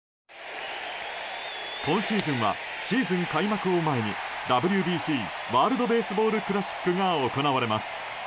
今シーズンはシーズン開幕を前にＷＢＣ・ワールド・ベースボール・クラシックが行われます。